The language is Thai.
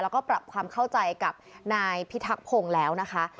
แล้วก็ปรับความเข้าใจกับนายพิทักพงศ์แล้วนะคะ